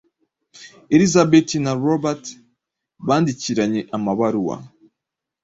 Elizabeth na Robert bandikiranye amabaruwa